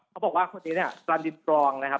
เขาบอกว่าคนนี้เนี่ยปลาดินตรองนะครับ